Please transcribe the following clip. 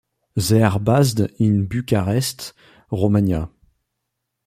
They are based in Bucharest, Romania.